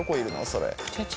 それ。